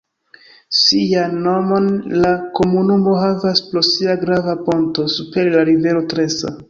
Sian nomon la komunumo havas pro sia grava ponto super la rivero Tresa.